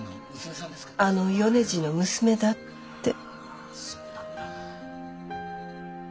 「あの米次の娘だ」って。